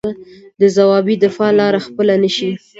د ځوابي دفاع لاره خپله نه شي.